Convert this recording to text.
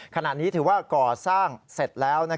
ขณะนี้ถือว่าก่อสร้างเสร็จแล้ว